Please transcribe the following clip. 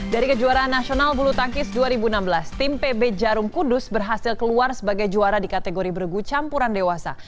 dari kejuaraan nasional bulu tangkis dua ribu enam belas tim pb jarum kudus berhasil keluar sebagai juara di kategori bergu campuran dewasa